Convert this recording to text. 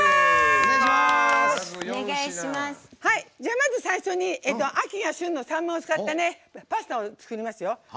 まず最初に、秋が旬のさんまを使ったパスタを作りますよ。